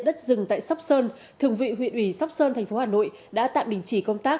đất rừng tại sóc sơn thường vị huyện ủy sóc sơn thành phố hà nội đã tạm đình chỉ công tác